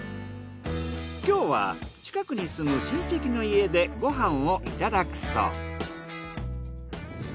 今日は近くに住む親戚の家でご飯をいただくそう。